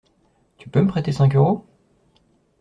Tu peux me prêter cinq euros?